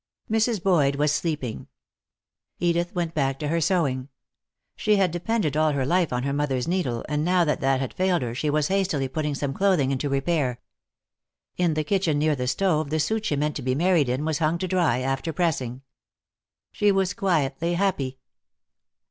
Mrs. Boyd was sleeping. Edith went back to her sewing. She had depended all her life on her mother's needle, and now that that had failed her she was hastily putting some clothing into repair. In the kitchen near the stove the suit she meant to be married in was hung to dry, after pressing. She was quietly happy.